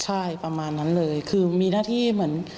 ใช่ประมาณนั้นเลยคือมีหน้าที่เหมือน